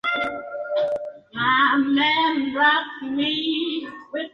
Este es un plato típico del altiplano Cundiboyacense.